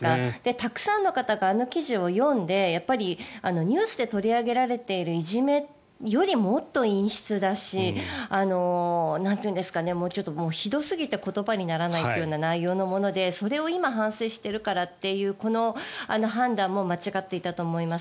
たくさんの方があの記事を読んでニュースで取り上げられているいじめよりもっと陰湿だしひどすぎて言葉にならないという内容のものでそれを今反省しているからという判断も間違っていたと思います。